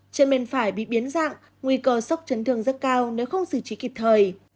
trên bên phải bị biến dạng nguy cơ sốc chấn thương rất cao nếu không xử trí kịp thời